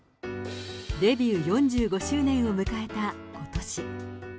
デビュー４５周年を迎えた、ことし。